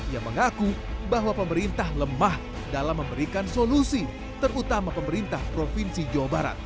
ia mengaku bahwa pemerintah lemah dalam memberikan solusi terutama pemerintah provinsi jawa barat